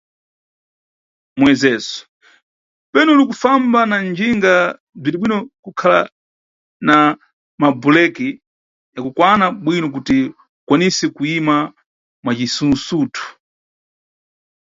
Muyezezo: Penu uli kufamba na njinga bziribwino kukhala na mabhuleki ya kukwana bwino kuti ukwanise kuyima mwa cisusutu.